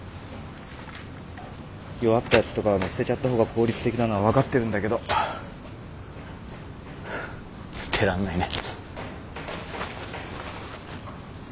弱ったやつとかは捨てちゃった方が効率的なのは分かってるんだけど捨てらんないね。